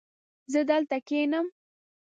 زه دلته کښېنم